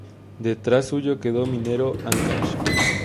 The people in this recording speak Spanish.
Detrás suyo quedó Minero Áncash.